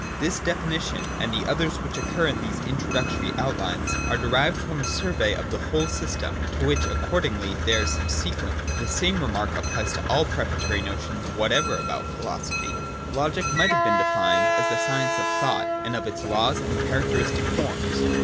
This definition, and the others which occur in these introductory outlines, are derived from a survey of the whole system, to which accordingly they are subsequent. The same remark applies to all prefatory notions what ever about philosophy. Logic might have been defined as the science of thought, and of its laws and characteristic forms.